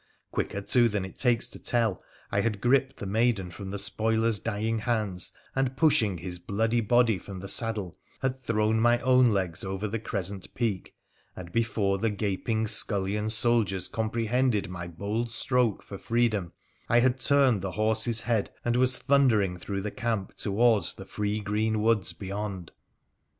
Quicker, too, than it takes to tell I had gripped the maiden from the spoiler's dying hands, and, pushing his bloody body from the saddle, had thrown my own legs over the crescent peak, and before the gaping scullion soldiers comprehended my bold stroke for freedom I had turned the horse's head and was thundering through the camp towards the free green woods beyond.